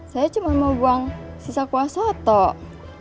saya cuma mau buang sisa kuasa toh